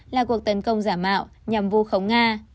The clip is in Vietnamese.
là cuộc tấn công giả mạo nhằm vu khống nga